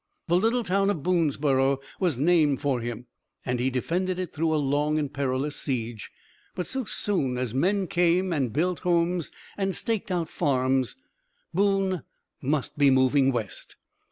The little town of Boonesborough was named for him, and he defended it through a long and perilous siege. But so soon as men came and built homes and staked out farms Boone must be moving west.